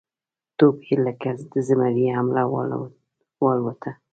توپ یې لکه د زمري حمله والوته